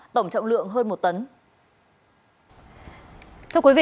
tổng trọng lượng hơn một tấn